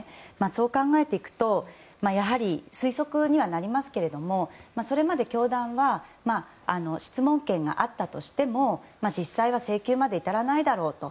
そう考えていくと推測にはなりますけれどもそれまで教団は質問権があったとしても実際は、請求まで至らないだろうと。